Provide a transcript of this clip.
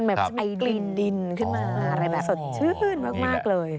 มันแม้จะมีกลิ่นขึ้นมาอะไรแบบสดชื่นมากเลย